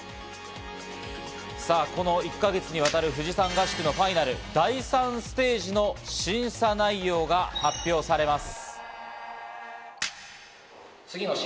さぁ、この１か月にわたる富士山合宿のファイナル、第３ステージの審査内容が発表されます。